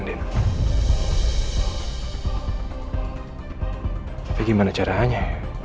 tapi gimana caranya